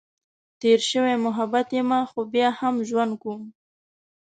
تېر شوی محبت یمه، خو بیا هم ژوند کؤم.